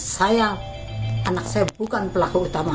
saya anak saya bukan pelaku utama